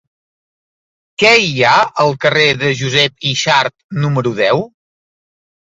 Què hi ha al carrer de Josep Yxart número deu?